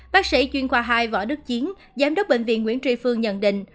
bác sĩ chuyên khoa hai võ đức chiến giám đốc bệnh viện nguyễn tri phương nhận định